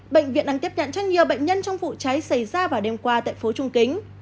bệnh viện đang tiếp nhận cho nhiều bệnh nhân trong vụ cháy xảy ra vào đêm qua tại phố trung kính